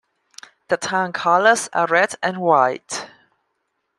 The town colours are red and white.